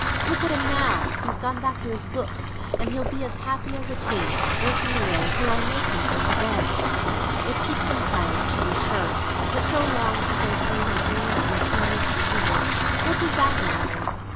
Look at him now! he's gone back to his books, and he'll be as happy as a king, working away till I make him go to bed. It keeps him silent, to be sure; but so long as I see him earnest, and pleased, and eager, what does that matter?